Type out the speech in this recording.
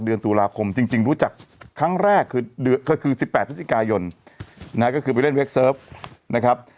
เดือนตุลาคมจริงรู้จักครั้งแรกคือ๑๘พฤศจิกายนนะฮะก็คือไปเล่นเวคเซิร์ฟนะครับ